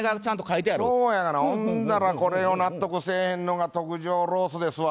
そうやがなほんだらこれを納得せえへんのが特上ロースですわ。